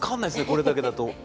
これだけだと。